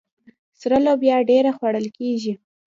سره لوبیا ډیره خوړل کیږي.